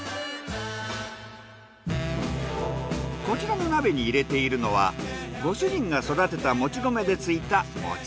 こちらの鍋に入れているのはご主人が育てたもち米でついた餅。